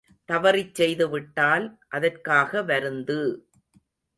தவறிச் செய்துவிட்டால், அதற்காக வருந்து!